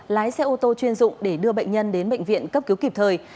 lái xe ô tô chuyên dụng để đưa bệnh nhân đến bệnh viện cấp cứu kịp thời